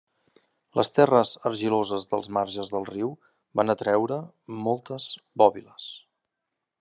Les terres argiloses dels marges del riu van atreure moltes bòbiles.